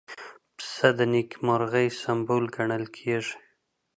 پسه د نېکمرغۍ سمبول ګڼل کېږي.